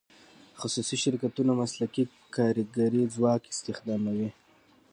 خصوصي شرکتونه مسلکي کارګري ځواک استخداموي.